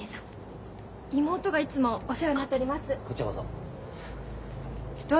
妹がいつもお世話になっております。